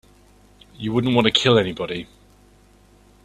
You wouldn't want to kill anybody.